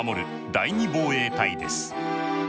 第２防衛隊です。